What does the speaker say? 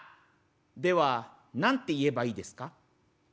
「では何て言えばいいですか？」。